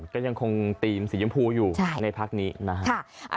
ก็ยังคงทีมสียมพูอยู่ในพักนี้นะครับ